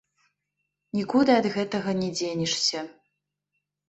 Нікуды ад гэтага не дзенешся.